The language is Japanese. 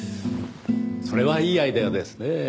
それはいいアイデアですねぇ。